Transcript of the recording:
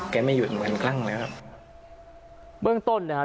แกไม่หยุดเหมือนกลั้งเลยครับเบื้องต้นนะฮะ